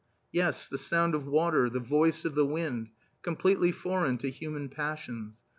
Yes, the sound of water, the voice of the wind completely foreign to human passions.